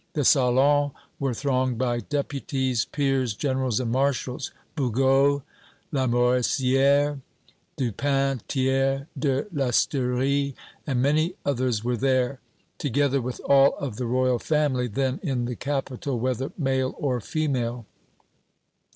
The salons were thronged by deputies, peers, generals and marshals; Bugeaud, Lamoricière, Dupin, Thiers, de Lasteyrie and many others were there, together with all of the Royal family then in the capital, whether male or female.